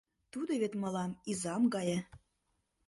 Тудо вет мылам изам гае».